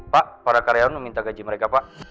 pak para karyawan meminta gaji mereka pak